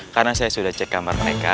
karena saya sudah cek kamar mereka